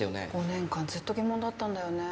５年間ずっと疑問だったんだよね。